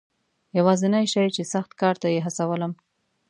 یوازنی شی چې سخت کار ته یې هڅولم.